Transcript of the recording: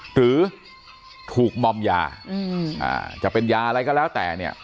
หรือถูกมอมยาจะเป็นยาอะไรก็แล้วแต่เนี่ย